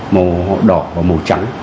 màu đỏ và màu trắng